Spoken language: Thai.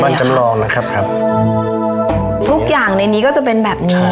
จำลองนะครับครับทุกอย่างในนี้ก็จะเป็นแบบนี้